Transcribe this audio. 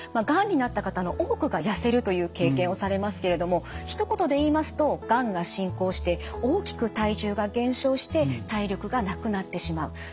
がんになった方の多くがやせるという経験をされますけれどもひと言で言いますとがんが進行して大きく体重が減少して体力がなくなってしまう。